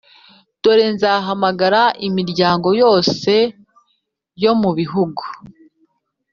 Dore nzahamagara imiryango yose yo mu bihugu